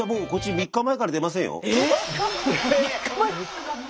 ３日前⁉